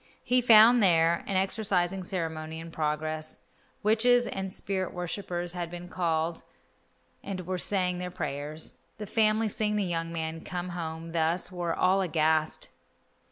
He found there an exorcising ceremony in progress. Witches and spirit worshippers had been called and were saying their prayers. The family, seeing the young man come home thus, were all aghast.